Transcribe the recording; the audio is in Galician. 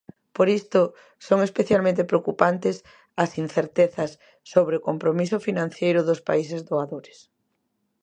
Por isto son especialmente preocupantes as "incertezas" sobre o "compromiso financeiro dos países doadores".